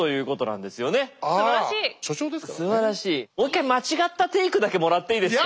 もう一回間違ったテークだけもらっていいですか？